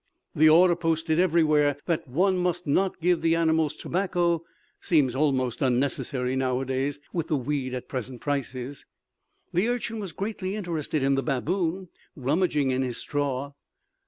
The order posted everywhere that one must not give the animals tobacco seems almost unnecessary nowadays, with the weed at present prices. The Urchin was greatly interested in the baboon rummaging in his straw.